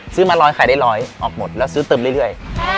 ซื้อมาร้อยขายได้ร้อยออกหมดแล้วซื้อเติมเรื่อย